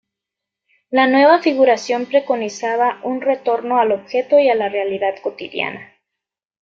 La nueva figuración preconizaba un retorno al objeto y a la realidad cotidiana.